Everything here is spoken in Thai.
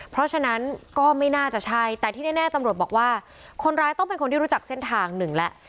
เพราะฉะนั้นก็ไม่น่าจะใช่แต่ที่แน่ตำรวจบอกว่าคนร้ายต้องเป็นคนที่รู้จักเส้นทางหนึ่งแล้ว